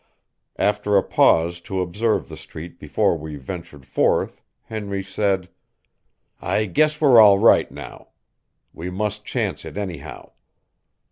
After a pause to observe the street before we ventured forth, Henry said: "I guess we're all right now. We must chance it, anyhow."